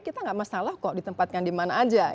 kita tidak masalah kok ditempatkan di mana saja